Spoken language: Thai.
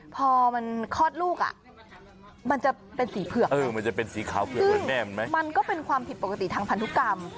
พอมันคลอดลูกอ่ะมันจะเป็นสีเผือกมันก็เป็นความผิดปกติทางพันธุกรรม